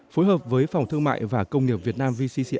phối hợp với phòng thương mại và công nghiệp việt nam